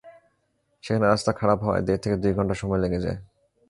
সেখানে রাস্তা খারাপ হওয়ায় দেড় থেকে দুই ঘণ্টা সময় লেগে যায়।